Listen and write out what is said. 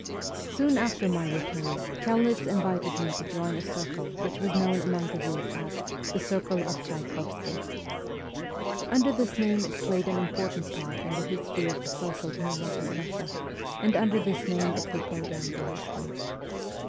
Soon after my return Kelnitz invited me to join a circle which was known among the youth as ' the Circle of Tchaykovsky.' Under this name it played an important part in the history of the social movement in Eussia, and under this name it will go down to history.